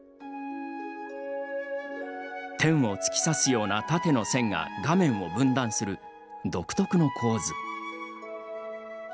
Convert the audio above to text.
天を突き刺すような縦の線が画面を分断する独特の構図。